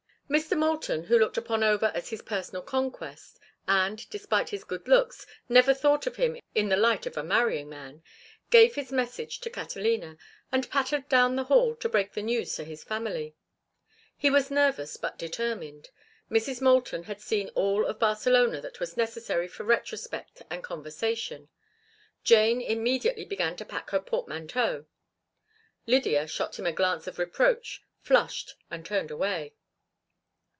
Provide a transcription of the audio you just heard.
Mr. Moulton, who looked upon Over as his personal conquest, and, despite his good looks, never thought of him in the light of a marrying man, gave his message to Catalina, and pattered down the hall to break the news to his family. He was nervous but determined. Mrs. Moulton had seen all of Barcelona that was necessary for retrospect and conversation. Jane immediately began to pack her portmanteau. Lydia shot him a glance of reproach, flushed, and turned away.